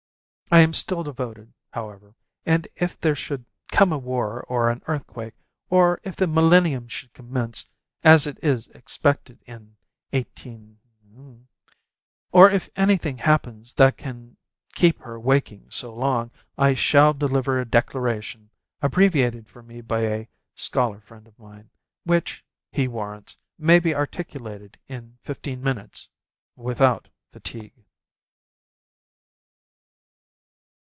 I am still devoted, however, and if there should come a war or an earthquake, or if the millennium should commence, as is expected in 18 , or if anything happens that can keep her waking so long, I shall deliver a declaration, abbreviated for me by a scholar friend of mine, which, he warrants, may be articulated in fifteen minutes without fatigue.